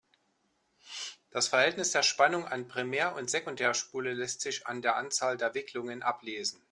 Das Verhältnis der Spannung an Primär- und Sekundärspule lässt sich an der Anzahl der Wicklungen ablesen.